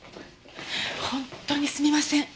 本当にすみません。